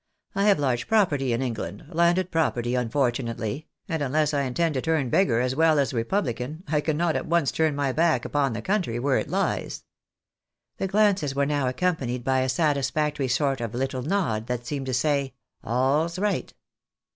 I have large property in England, landed property, unfortunately, and unless I intend to turn beggar as well as repubhcan, I cannot at once turn my back upon the country where it lies." The glances were now accompanied by a satisfactory sort of little nod, that seemed to say, " All's right."